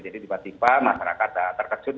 jadi tiba tiba masyarakat terkejut